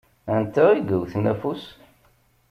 Anta i yewwten afus?